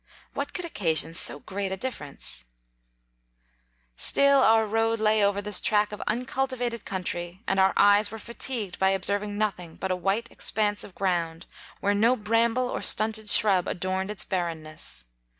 What could occasion so great a difference ? Still our road lay over this track of uncultivated country, and our eye$ were fatigued by observing nothing but a white expanse of ground, where no bramble or stunted shrub adorned its barrenness.